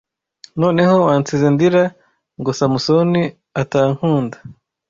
Noneho wansize ndira ngo Samusoni atankunda